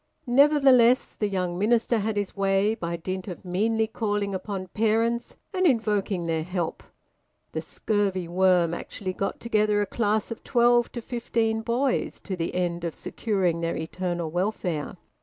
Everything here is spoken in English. Nevertheless the young minister had his way, by dint of meanly calling upon parents and invoking their help. The scurvy worm actually got together a class of twelve to fifteen boys, to the end of securing their eternal welfare.